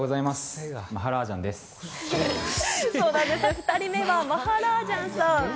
２人目はマハラージャンさん。